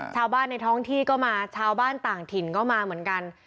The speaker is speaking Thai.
ชาวบ้านในท้องที่ก็มาชาวบ้านต่างถิ่นก็มาเหมือนกัน